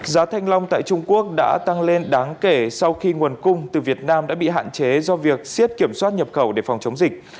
giá thanh long tại trung quốc đã tăng lên đáng kể sau khi nguồn cung từ việt nam đã bị hạn chế do việc siết kiểm soát nhập khẩu để phòng chống dịch